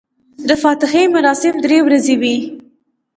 د فاتحې مراسم درې ورځې وي.